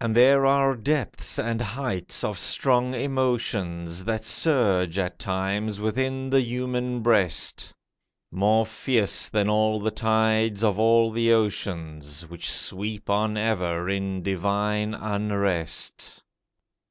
And there are depths and heights of strong emotions That surge at times within the human breast, More fierce than all the tides of all the oceans Which sweep on ever in divine unrest.